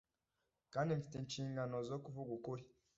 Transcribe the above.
kandi mfite inshingano zo kuvuga ukuri